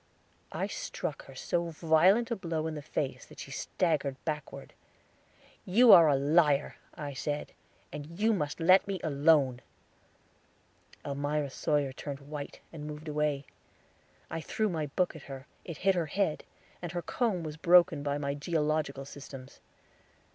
I struck her so violent a blow in the face that she staggered backward. "You are a liar," I said, "and you must let me alone." Elmira Sawyer turned white, and moved away. I threw my book at her; it hit her head, and her comb was broken by my geological systems.